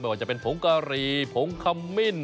ว่าจะเป็นผงกะหรี่ผงคำมิ้น